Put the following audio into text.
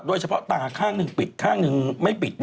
โดยเฉพาะตาข้างหนึ่งปิดข้างหนึ่งไม่ปิด